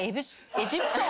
エジプトの。